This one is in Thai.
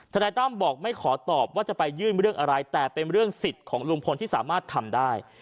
นายตั้มบอกไม่ขอตอบว่าจะไปยื่นเรื่องอะไรแต่เป็นเรื่องสิทธิ์ของลุงพลที่สามารถทำได้